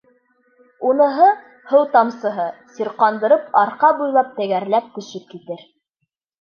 Уныһы, һыу тамсыһы, сирҡандырып, арҡа буйлап тәгәрләп төшөп китер.